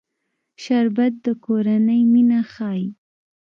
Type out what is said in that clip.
شربت د کورنۍ مینه ښيي